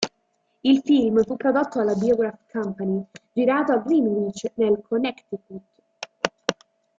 Il film fu prodotto dalla Biograph Company, girato a Greenwich nel Connecticut.